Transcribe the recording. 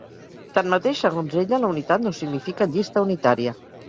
Tanmateix, segons ella la unitat no significa llista unitària.